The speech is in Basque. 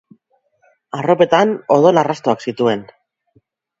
Arropetan odol arrastoak zituen.